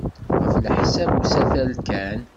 Ɣef leḥsab usatal kan.